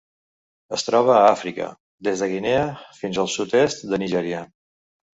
Es troba a Àfrica: des de Guinea fins al sud-est de Nigèria.